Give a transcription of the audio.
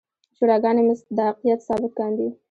شوراګانې مصداقیت ثابت کاندي.